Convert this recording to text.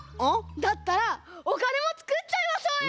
だったらおかねもつくっちゃいましょうよ！